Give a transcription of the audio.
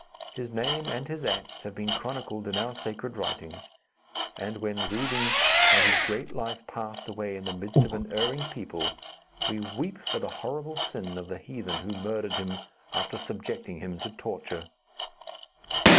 His name and his acts have been chronicled in our sacred writings, and when reading how his great life passed away in the midst of an erring people, we weep for the horrible sin of the heathen who murdered him, after subjecting him to torture."